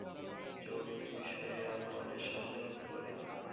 যোগ এই বিষয়ে আমাদের সাহায্য করতে পারে।